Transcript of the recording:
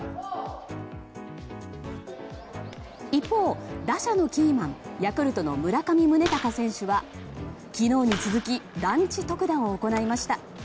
一方、打者のキーマンヤクルトの村上宗隆選手は昨日に続きランチ特打を行いました。